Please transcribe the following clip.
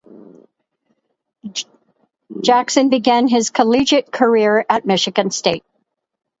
Jackson began his collegiate career at Michigan State.